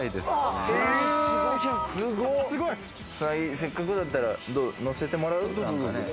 せっかくだから乗せてもらう？